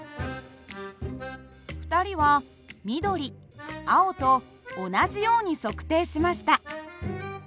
２人は緑青と同じように測定しました。